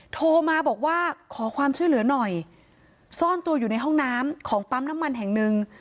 โทรมาบอกว่าขอความช่วยเหลือหน่อยซ่อนตัวอยู่ในห้องน้ำของปั๊มน้ำมันแห่งหนึ่ง